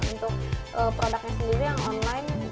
untuk produknya sendiri yang online di atas satu lima sampai dua